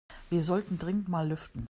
Wir sollten dringend mal lüften.